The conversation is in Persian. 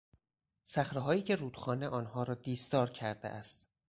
صخرههایی که رودخانه آنها را دیسدار کرده است